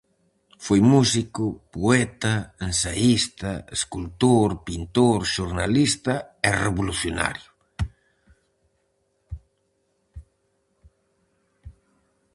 Foi músico, poeta, ensaísta, escultor, pintor, xornalista e revolucionario.